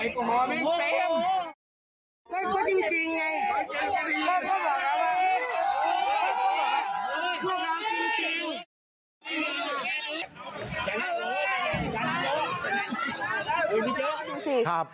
ก็จริงไงเขาก็บอกแล้วว่า